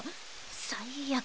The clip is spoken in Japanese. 最悪。